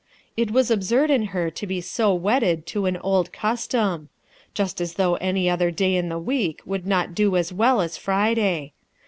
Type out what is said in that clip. It was absurd in her to be so wedded to an old custom 1 just as though any other day in the week would not do as well as Friday.